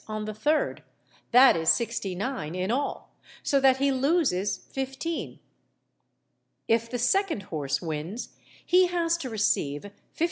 _ on the third—that is 69_l._ in all, so that he loses 15_l._; if the second horse wins, he has to receive 56_l.